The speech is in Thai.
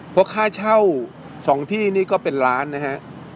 เพราะค่าเช่า๒ที่นี่ก็เป็นล้านนะฮะ